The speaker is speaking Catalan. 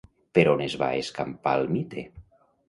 Per on es va escampar el mite?